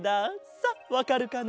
さあわかるかな？